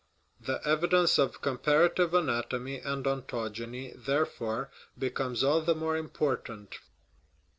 The evidence of comparative anatomy and ontogeny, therefore, becomes all the more important.